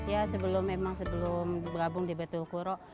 ya memang sebelum bergabung di betul kuro